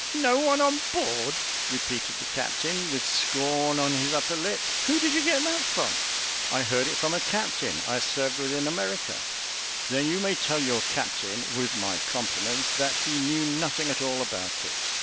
"No one on board!" repeated the captain, with scorn on his upper lip, "who did you get that from?" "I heard it from a captain I served with in America." "Then you may tell your captain, with my compliments, that he knew nothing at all about it.